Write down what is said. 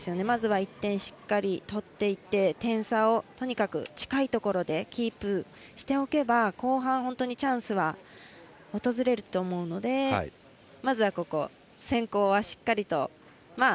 まずは１点しっかり取っていって点差をとにかく近いところでキープしておけば後半、本当にチャンスは訪れると思うのでまずはここ、先攻はしっかりと。